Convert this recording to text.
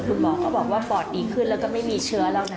คุณหมอก็บอกว่าปอดดีขึ้นแล้วก็ไม่มีเชื้อแล้วนะ